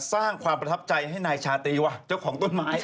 สร้างความประทับใจให้นายชาตรีว่ะเจ้าของต้นไม้